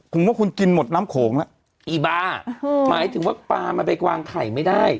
คุณว่าคุณกินหมดน้ำโขงแล้วอีบาหมายถึงว่าปลามันไปวางไข่ไม่ได้